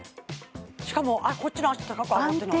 しかもこっちの脚高く上がってない？